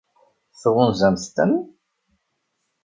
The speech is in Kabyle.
Tɣunzamt-ten?